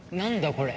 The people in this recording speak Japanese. これ。